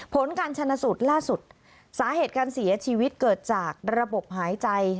ผลการชนะสูตรล่าสุดสาเหตุการเสียชีวิตเกิดจากระบบหายใจ